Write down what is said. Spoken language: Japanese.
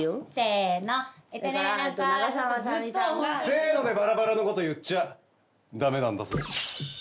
せーのでばらばらのこと言っちゃダメなんだぜ。